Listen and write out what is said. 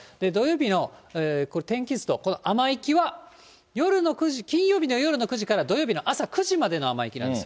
土曜日の天気図とこの雨域は金曜日の夜の９時から土曜日の朝の９時までの気温なんです。